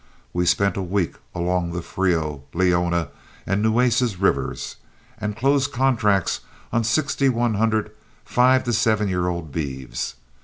We spent a week along the Frio, Leona, and Nueces rivers, and closed contracts on sixty one hundred five to seven year old beeves.